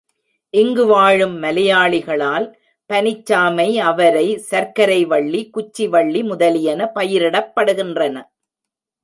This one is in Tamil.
இங்கு வாழும் மலையாளிகளால் பனிச் சாமை, அவரை, சர்க்கரை வள்ளி, குச்சி வள்ளி முதலியன பயிரிடப்படுகின்றன.